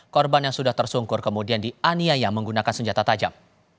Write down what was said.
korban yang sudah tersungkur kemudian dianiaya menggunakan senjata tajam